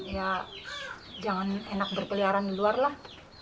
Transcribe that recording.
ya jangan enak berkeliaran di luar lah